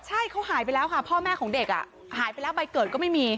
ใช่เขาหายไปแล้วค่ะพ่อแม่ของเด็กหายไปแล้วใบเกิดก็ไม่มี